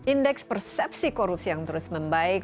indeks persepsi korupsi yang terus membaik